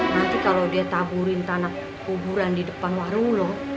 nanti kalau dia taburin tanah kuburan di depan warung loh